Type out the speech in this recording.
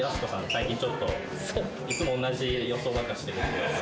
最近ちょっといつも同じ予想ばっかりしてるって。